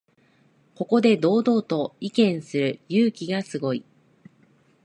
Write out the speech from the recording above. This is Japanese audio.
ここで堂々と意見する勇気がすごい